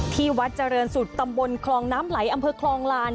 ที่วัดเจริญศุกร์ตำบลคลองน้ำไหลอำเภอคลองลาน